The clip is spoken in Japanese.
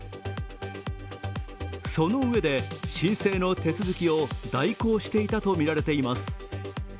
そのうえで申請の手続きを代行していたとみられています。